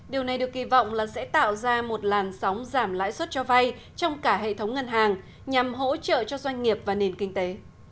điều này được kỳ vọng là sẽ tạo ra một làn sóng giảm lãi suất cho vay trong cả hệ thống ngân hàng nhằm hỗ trợ cho doanh nghiệp và nền kinh tế